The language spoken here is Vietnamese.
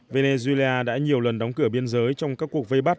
venezuela đã nhiều lần đóng cửa biên giới trong các cuộc vây bắt